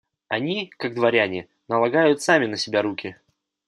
Они, как дворяне, налагают сами на себя руки.